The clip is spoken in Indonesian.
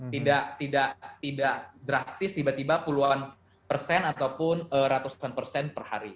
tidak drastis tiba tiba puluhan persen ataupun ratusan persen per hari